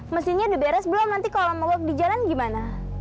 mesinnya udah beres belum nanti kalau mau buat di jalan gimana